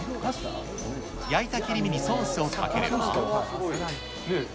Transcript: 焼いた切り身にソースをかければ。